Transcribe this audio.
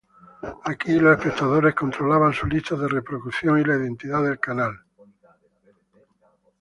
Aquí los espectadores controlaban su lista de reproducción y la identidad del canal.